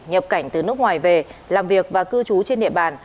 nhập cảnh từ nước ngoài về làm việc và cư trú trên địa bàn